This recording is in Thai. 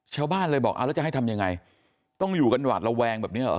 ชาวบ้านเลยบอกเอาแล้วจะให้ทำยังไงต้องอยู่กันหวาดระแวงแบบนี้เหรอ